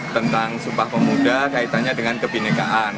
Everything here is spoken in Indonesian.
tentang sumpah pemuda kaitannya dengan kebinekaan